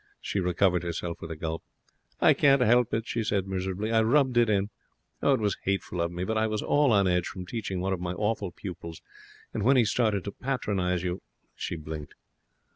She recovered herself with a gulp. 'I can't help it,' she said, miserably. 'I rubbed it in. Oh, it was hateful of me! But I was all on edge from teaching one of my awful pupils, and when he started to patronize you ' She blinked.